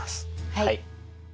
はい。